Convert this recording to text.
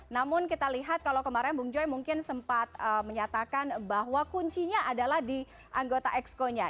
namun kita lihat kalau kemarin bung joy mungkin sempat menyatakan bahwa kuncinya adalah di anggota exconya